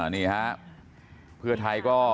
นี่ฮะ